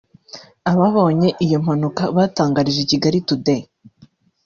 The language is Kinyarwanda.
Ababonye iyo mpanuka batangarije Kigali Today